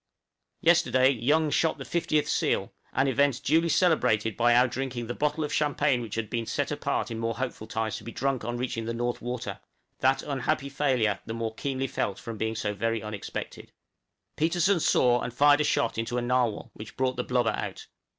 Yesterday Young shot the fiftieth seal, an event duly celebrated by our drinking the bottle of champagne which had been set apart in more hopeful times to be drunk on reaching the North Water that unhappy failure, the more keenly felt from being so very unexpected. {ARCTIC PALATES.} Petersen saw and fired a shot into a narwhal, which brought the blubber out.